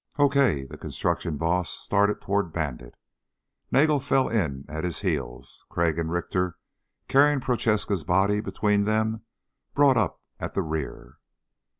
"Okay." The construction boss started toward Bandit. Nagel fell in at his heels. Crag and Richter, carrying Prochaska's body between them, brought up at the rear.